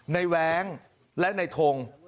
ในแวงและในทง